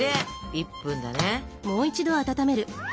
１分だね。